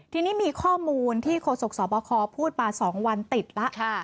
ทีนี้มีข้อมูลที่โฆษกสบคพูดมา๒วันติดแล้ว